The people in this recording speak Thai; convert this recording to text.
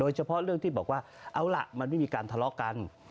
เฉพาะเรื่องที่บอกว่าเอาล่ะมันไม่มีการทะเลาะกัน